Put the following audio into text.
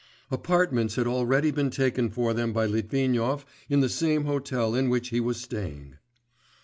Apartments had already been taken for them by Litvinov in the same hotel in which he was staying.